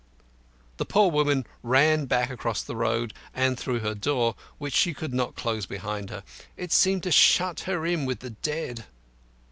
The poor woman ran back across the road and through her door, which she would not close behind her. It seemed to shut her in with the dead.